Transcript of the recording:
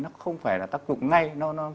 nó không phải là tác dụng ngay